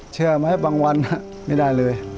เชื่อไหมบางวันไม่ได้เลย